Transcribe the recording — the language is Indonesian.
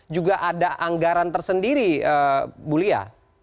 juga ada anggaran tersendiri bu lia